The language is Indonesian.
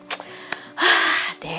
supaya hatinya aden penuh